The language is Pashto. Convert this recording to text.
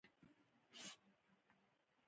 د انسان عمر چې هره ورځ لږیږي، له دنیا نه لیري کیږي